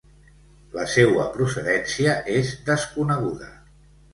La seua procedència és desconeguda.